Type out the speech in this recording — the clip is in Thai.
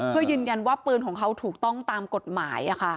เพื่อยืนยันว่าปืนของเขาถูกต้องตามกฎหมาย